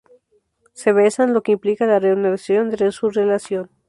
Se besan, lo que implica la reanudación de su relación.